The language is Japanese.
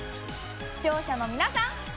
視聴者の皆さん。